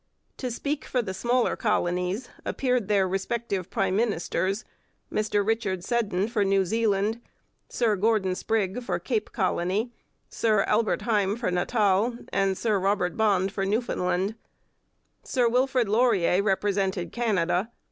To speak for the smaller colonies appeared their respective prime ministers Mr Richard Seddon for New Zealand, Sir Gordon Sprigg for Cape Colony, Sir Albert Hime for Natal, and Sir Robert Bond for Newfoundland. Sir Wilfrid Laurier represented Canada.